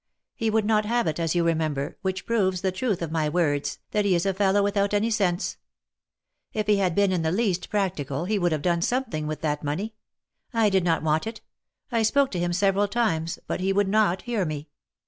He would not have it, as you remember, which proves the truth of my words, that he is a fellow without any sense. If he had been in the least practical, he would have done something with that money. I did not want it. I spoke to him several times, but be would not hear me.